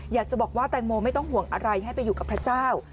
อยากจะบอกว่าแตงโมไม่ต้องห่วงอะไรให้ไปอยู่กับพระเจ้า